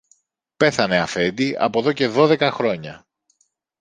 Πέθανε, αφέντη, από δω και δώδεκα χρόνια.